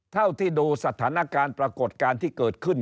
เท่าที่ดูสถานการณ์ปรากฏการณ์ที่เกิดขึ้น